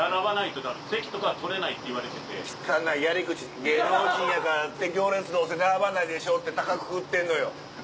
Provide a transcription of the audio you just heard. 汚いやり口芸能人やからって行列どうせ並ばないでしょって高くくってんのよ。